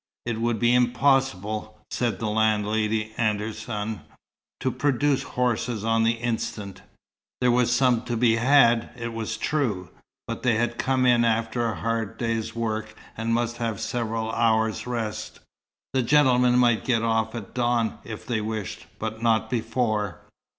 It would be impossible, said the landlady and her son, to produce horses on the instant. There were some to be had, it was true, but they had come in after a hard day's work, and must have several hours' rest. The gentlemen might get off at dawn, if they wished, but not before.